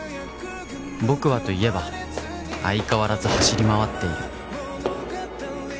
僕はといえば相変わらず走り回っている